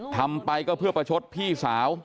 ทำไปก็เพื่อประชดพี่สาว